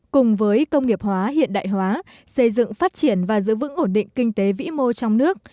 cùng với công nghiệp hóa hiện đại hóa xây dựng phát triển và giữ vững ổn định kinh tế vĩ mô trong nước